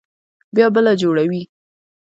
بيا بله جوړوي.